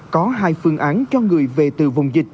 có hai phương án cho người về từ vùng dịch